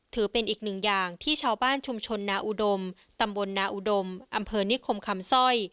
ถือเป็นอีกหนึ่งอย่างที่ชาวบ้านชุมชนนาอุดมตำบลนาอุดมอำเภอนิคมคำสร้อย